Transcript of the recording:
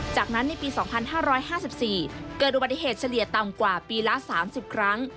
จากนั้นในปี๒๕๕๔เกิดอุบัติเหตุเฉลี่ยต่ำกว่าปีละ๓๐ครั้ง